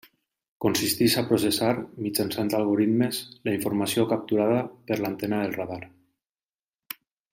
Consisteix a processar mitjançant algoritmes la informació capturada per l'antena del radar.